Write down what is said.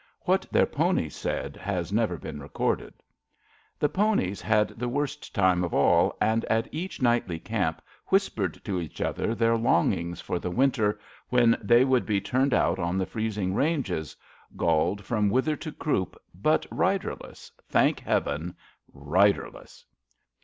What their ponies said has never been recorded. The ponies had the worst time of all, and at each nightly camp whispered to each other their longings for the winter, when they would be turned out on the freezing ranges — ^galled from wither to croup, but riderless — thank Heaven, riderless.